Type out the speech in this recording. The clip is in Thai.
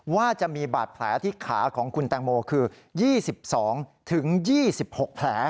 ว่าจะมีบาดแผลที่ขาของคุณแตงโมคือ๒๒๒๖แผล